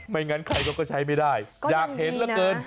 งั้นใครเขาก็ใช้ไม่ได้อยากเห็นเหลือเกิน